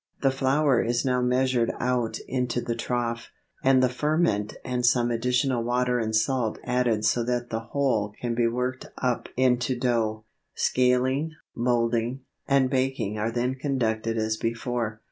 The flour is now measured out into the trough, and the ferment and some additional water and salt added so that the whole can be worked up into dough. Scaling, moulding, and baking are then conducted as before.